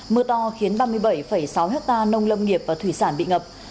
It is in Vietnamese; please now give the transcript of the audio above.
mưa to khiến ba mươi bảy sáu hectare nông lâm nghiệp và thủy sản bị ngập